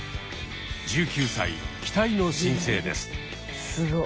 １９歳期待の新星です。